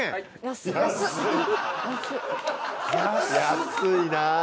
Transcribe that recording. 安いなぁ。